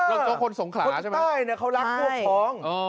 เออคนสงขาใช่ไหมคนใต้เขารักพวกของ